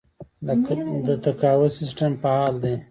د تقاعد سیستم فعال دی؟